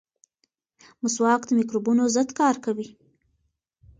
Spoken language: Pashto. مسواک د مکروبونو ضد کار کوي.